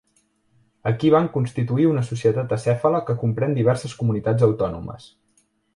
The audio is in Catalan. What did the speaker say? Aquí van constituir una societat acèfala que comprèn diverses comunitats autònomes.